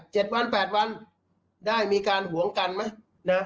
๗วันแปดวันได้มีการหวงกันไหมนะ